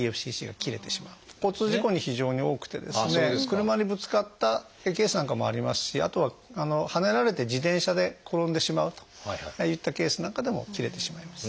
車にぶつかったケースなんかもありますしあとははねられて自転車で転んでしまうといったケースなんかでも切れてしまいます。